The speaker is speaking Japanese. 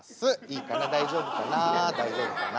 いいかな大丈夫かな大丈夫かな。